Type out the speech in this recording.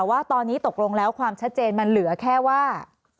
ว่าตอนนี้ตกลงแล้วความชัดเจนมันเหลือแค่ว่า